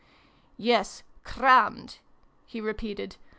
" Yes, crammed," he re peated.